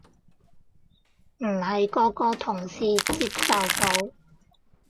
唔係個個同事接受到